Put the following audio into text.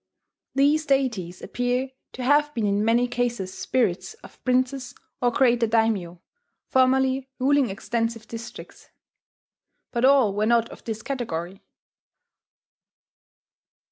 These deities appear to have been in many cases spirits of princes or greater daimyo, formerly, ruling extensive districts; but all were not of this category.